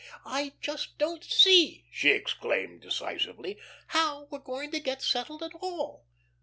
I just don't see," she exclaimed decisively, "how we're going to get settled at all.